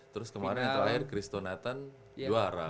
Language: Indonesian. terus kemarin akhir akhir cristo nathan juara